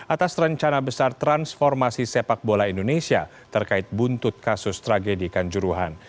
atas rencana besar transformasi sepak bola indonesia terkait buntut kasus tragedi kanjuruhan